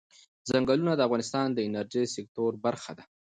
ځنګلونه د افغانستان د انرژۍ سکتور برخه ده.